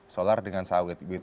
solar dengan sawit